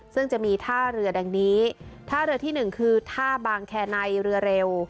ซึ่งจะมีท่าเรือดังนี้ท่าเรือที่หนึ่งคือท่าบางแคร์ในเรือเร็ว